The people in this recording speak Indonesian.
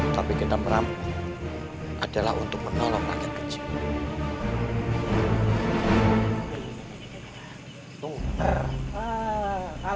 tapi kita meram adalah untuk menolong rakyat kecil